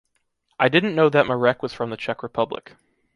I didn't know that Marek was from the Czech Republic.